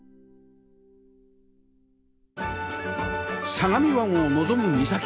相模湾を望む岬